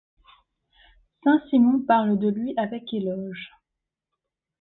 Saint- Simon parle de lui avec éloge.